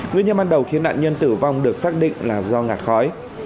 nguyên nhân ban đầu khiến nạn nhân tử vong được xác định là do ngạt khói